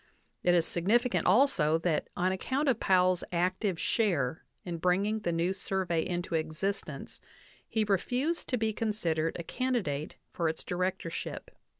It is significant also that on account of Powell's active share in bringing the new Survey into existence he refused to be considered a candidate for its directorship.